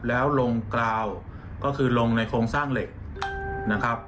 แล้วลงกราวก็คือลงในโครงสร้างเหล็กนะครับ